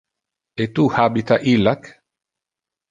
E tu habita illac?